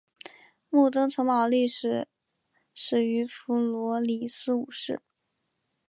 木登城堡的历史始于弗罗里斯五世。